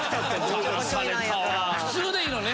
普通でいいのね？